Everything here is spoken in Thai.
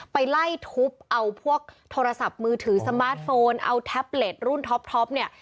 ไปไล่ทุบเอาพวกโทรศัพท์มือถือสมาร์ทโฟนเอาแท็บเล็ตรุ่นท็อปเนี่ย